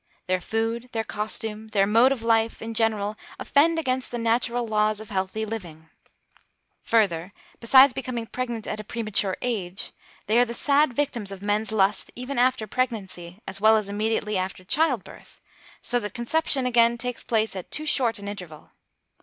Their food, their costume, their mode of life, in general, offend against the natural laws of healthy living. Further, besides becoming pregnant at a premature age, they are the sad victims of men's lust even after pregnancy, as well as immediately after child birth, so that conception again takes place at too short an interval.